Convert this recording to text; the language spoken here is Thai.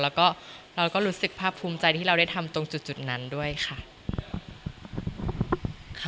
แล้วก็เราก็รู้สึกภาพภูมิใจที่เราได้ทำตรงจุดนั้นด้วยค่ะ